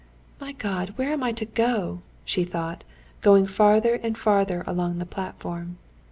"My God! where am I to go?" she thought, going farther and farther along the platform.